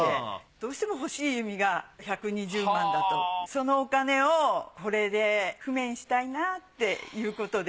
どうしても欲しい弓が１２０万だとそのお金をこれで工面したいなっていうことで。